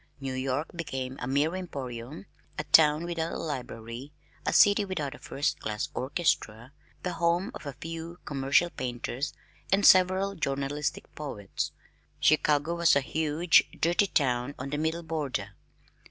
New York became a mere emporium, a town without a library, a city without a first class orchestra, the home of a few commercial painters and several journalistic poets! Chicago was a huge dirty town on the middle border.